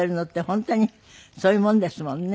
本当にそういうもんですもんね。